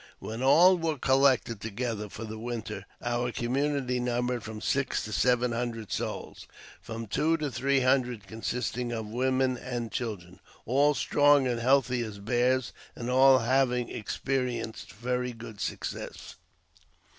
When all were collected togeth( for the winter, our community numbered from six to sevei hundred souls (from two to three hundred consisting ol women and children), all strong and healthy as bears, and all. having experienced very good success.